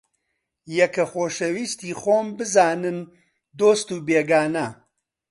یەکە خۆشەویستی خۆم بزانن دۆست و بێگانە